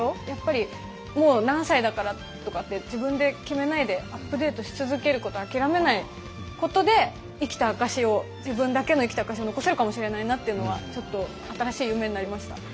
やっぱりもう何歳だからとかって自分で決めないでアップデートし続けることを諦めないことで生きた証しを自分だけの生きた証しを残せるかもしれないなっていうのはちょっと新しい夢になりました。